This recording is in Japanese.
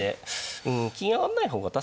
うん金上がんない方が確かに。